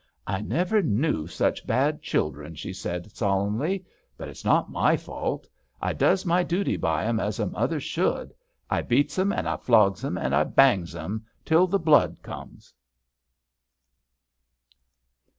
" I never knew such bad children," she said, solemnly, "but it's not my fault. I does my duty by 'em as a mother should. I beats 'em, and I flogs 'em and I bangs 'em, till the blood comes."